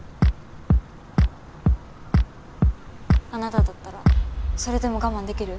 あなただったらそれでも我慢できる？